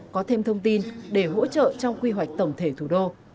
có thêm thông tin để hỗ trợ trong quy hoạch tổng thể thủ đô